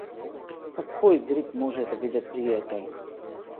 Па кој грип може да биде пријатен?